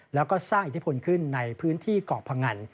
แล้วก็สร้างอิทธิพลขึ้นในพื้นที่เกาะพงัน